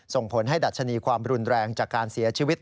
ส่งผลให้ดัชนีความรุนแรงจากการเสียชีวิต